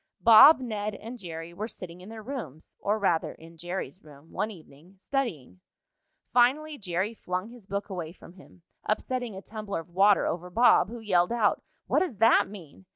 Bob, Ned and Jerry were sitting in their rooms, or rather, in Jerry's room, one evening, studying. Finally Jerry flung his book away from him, upsetting a tumbler of water over Bob, who yelled out: "What does that mean?"